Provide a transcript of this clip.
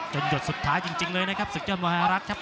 จนหยุดสุดท้ายจริงเลยครับศึกเจ้าบราฤทธิ์ครับ